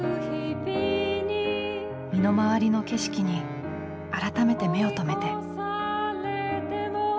身の回りの景色に改めて目を留めて。